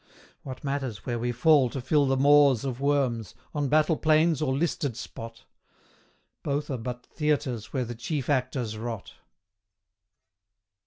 What matters where we fall to fill the maws Of worms on battle plains or listed spot? Both are but theatres where the chief actors rot.